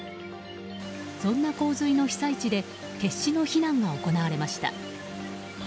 そんな洪水の被災地で決死の避難が行われました。